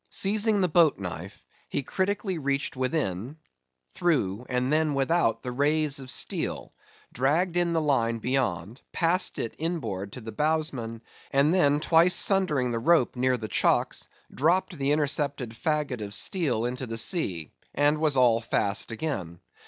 Seizing the boat knife, he critically reached within—through—and then, without—the rays of steel; dragged in the line beyond, passed it, inboard, to the bowsman, and then, twice sundering the rope near the chocks—dropped the intercepted fagot of steel into the sea; and was all fast again.